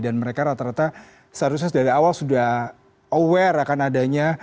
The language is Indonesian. dan mereka rata rata seharusnya dari awal sudah aware akan adanya